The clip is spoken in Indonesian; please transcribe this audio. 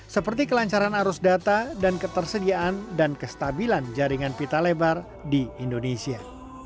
seperti kelancaran arus data dan ketersediaan dan kestabilan jaringan pita lebar di indonesia